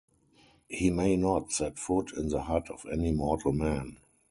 He may not set foot in the hut of any mortal man.